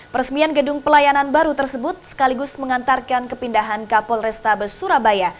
peresmian gedung pelayanan baru tersebut sekaligus mengantarkan kepindahan kapol restabes surabaya